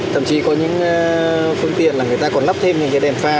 thậm chí có những phương tiện là người ta còn lắp thêm những cái đèn pha